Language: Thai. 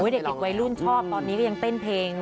เด็กวัยรุ่นชอบตอนนี้ก็ยังเต้นเพลง